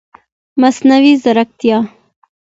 مصنوعي ځرکتیا